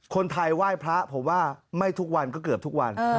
คนไทยไหว้พระผมว่าไม่ทุกวันก็เกือบทุกวัน